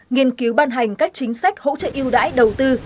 nghiên cứu ban hành các chính sách hỗ trợ yêu đáy đầu tư